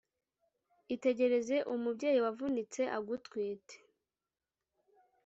Itegereze umubyeyi Wavunitse agutwite,